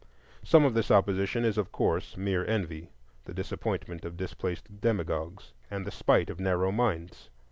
Some of this opposition is, of course, mere envy; the disappointment of displaced demagogues and the spite of narrow minds.